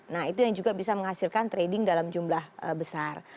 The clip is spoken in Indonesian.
nah itu yang juga bisa menghasilkan trading dalam jumlah besar